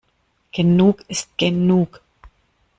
Genug ist genug.